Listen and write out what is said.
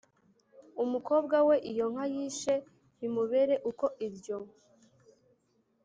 umukobwa we iyo nka yishe bimubere uko iryo